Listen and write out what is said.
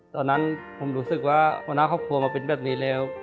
ตอนนั้นผมรู้สึกว่าพนักครอบครัวมันเป็นแบบนี้เลย